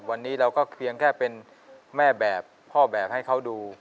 วันนี้เราก็เพียงแค่เป็นแม่แบบพ่อแบบให้เขาดู